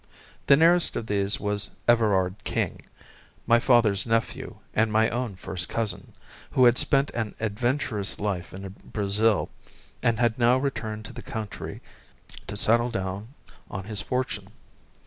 The nearest of these was Everard King, my father's nephew and my own first cousin, who had spent an adventurous life in Brazil, and had now returned to this country to settle down on his fortune.